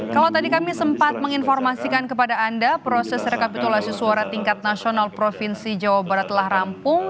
kalau tadi kami sempat menginformasikan kepada anda proses rekapitulasi suara tingkat nasional provinsi jawa barat telah rampung